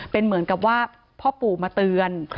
เป็นเหมือนกับว่าพ่อปู่มาเตือน